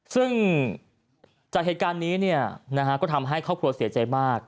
ซึ่งจากเหตุการณ์นี้ก็ทำให้ครอบครัวเสียใจมาก